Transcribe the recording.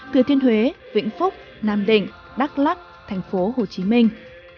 thừa thiên huế vĩnh phúc nam định đắk lắc thành phố hồ chí minh